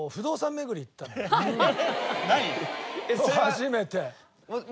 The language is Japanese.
初めて。